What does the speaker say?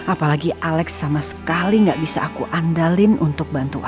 apalagi alex sama sekali gak bisa aku andalin untuk bantu aku